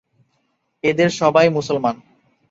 এদের সবাই মুসলমান।